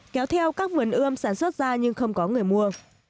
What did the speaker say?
kéo theo các vườn ươm sản xuất ra nhưng không có người mua